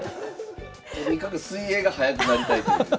とにかく水泳が速くなりたいという。